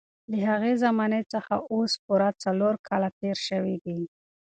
له هغې زمانې څخه اوس پوره څلور کاله تېر شوي دي.